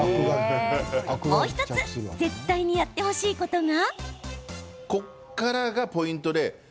もう１つ絶対にやってほしいことが。